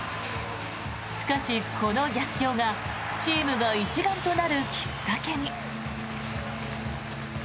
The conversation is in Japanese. しかし、この逆境がチームが一丸となるきっかけに。